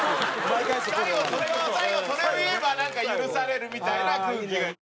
最後それを言えば許されるみたいな空気が。